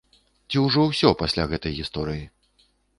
Ці ўжо ўсё, пасля гэтай гісторыі?